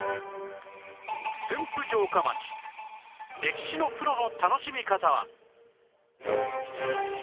駿府城下町歴史のプロの楽しみ方は